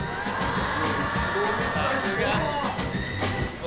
さすが。